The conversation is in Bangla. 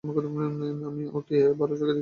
আমি ওকে আর ভালো চোখে দেখি না।